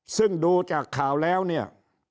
ซึ่งดูจากข่าวแล้วเนี่ย